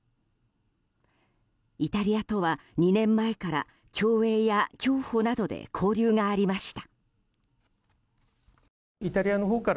イタリアとは２年前から競泳や競歩などで交流がありました。